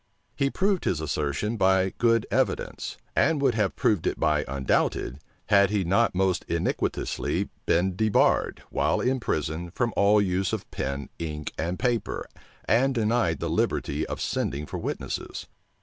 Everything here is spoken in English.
He proved his assertion by good evidence; and would have proved it by undoubted, had he not most iniquitously been debarred, while in prison, from all use of pen, ink, and paper, and denied the liberty of sending for witnesses.